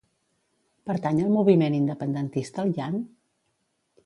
Pertany al moviment independentista el Yan?